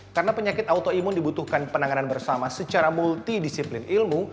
karena penyakit autoimun dibutuhkan penanganan bersama secara multidisiplin ilmu